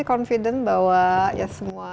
confident bahwa ya semua